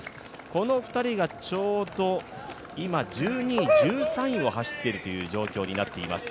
この２人がちょうど今、１２位、１３位を走っているという状況になっています。